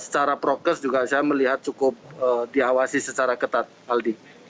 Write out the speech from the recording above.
secara prokes juga saya melihat cukup diawasi secara ketat aldi